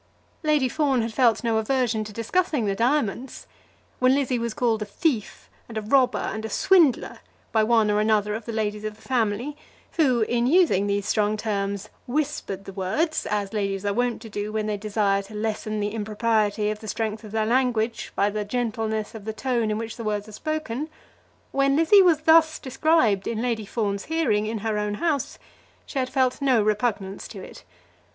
Lady Fawn had felt no aversion to discussing the diamonds. When Lizzie was called a "thief," and a "robber," and a "swindler" by one or another of the ladies of the family, who, in using those strong terms, whispered the words as ladies are wont to do when they desire to lessen the impropriety of the strength of their language by the gentleness of the tone in which the words are spoken, when Lizzie was thus described in Lady Fawn's hearing in her own house, she had felt no repugnance to it.